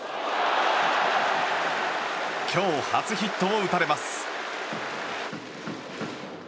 今日、初ヒットを打たれます。